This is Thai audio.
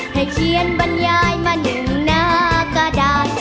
ให้เขียนบรรยายมาหนึ่งหน้าก็ได้